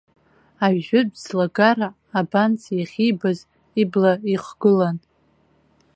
Ажәытә ӡлагара абанс иахьибаз ибла ихгылан.